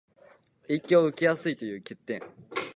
影響を受けやすいという欠点